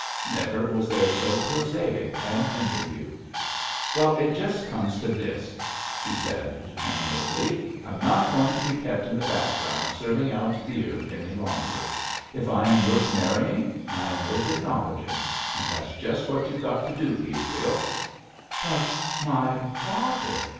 Never was there so prosaic an interview. 'Well, it just comes to this,' she said determinedly, 'I'm not going to be kept in the background serving out beer any longer. If I am worth marrying I am worth acknowledging, and that's just what you've got to do, Gabriel.' 'But my father!'